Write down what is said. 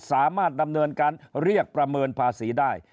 สามารถดำเนินการเรียกประเมินภาษีได้